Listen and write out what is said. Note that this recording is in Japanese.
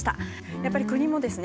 やっぱり国もですね